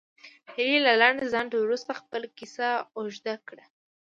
هیلې له لنډ ځنډ وروسته خپله کیسه اوږده کړه